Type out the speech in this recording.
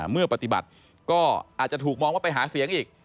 เมื่อปฏิบัติก็อาจจะถูกมองว่าไปหาเสียงอีก